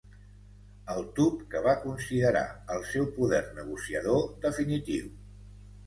El tub que va considerar el seu poder negociador definitiu.